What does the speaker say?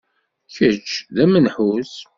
Kečč, d amenḥus.